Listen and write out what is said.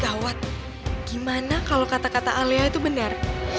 gawat gimana kalau kata kata alea itu benar